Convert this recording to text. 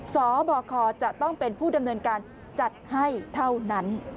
สบคจะต้องเป็นผู้ดำเนินการจัดให้เท่านั้น